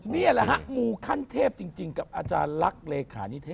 นี่แหละฮะงูขั้นเทพจริงกับอาจารย์ลักษณ์เลขานิเทศ